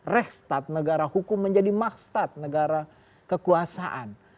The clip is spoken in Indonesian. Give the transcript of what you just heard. rehstat negara hukum menjadi makstat negara kekuasaan